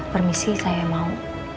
permisi saya mau